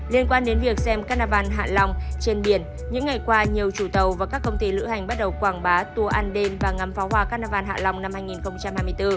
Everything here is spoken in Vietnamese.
liên quan đến việc xem các na van hạ long trên biển những ngày qua nhiều chủ tàu và các công ty lữ hành bắt đầu quảng bá tour ăn đêm và ngắm pháo hoa các na van hạ long năm hai nghìn hai mươi bốn